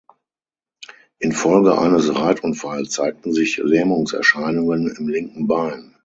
In Folge eines Reitunfall zeigten sich Lähmungserscheinungen im linken Bein.